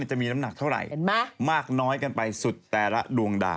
จะมีน้ำหนักเท่าไหร่มากน้อยกันไปสุดแต่ละดวงดาว